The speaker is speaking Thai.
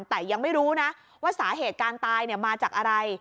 แต่ยังไม่รู้นะว่าสาเหตุการณ์ตายมาจากอะไร